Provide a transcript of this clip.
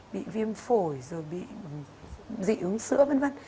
bị viêm phổi rồi bị dị ứng sữa v v